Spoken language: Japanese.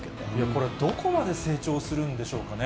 これ、どこまで成長するんでしょうかね。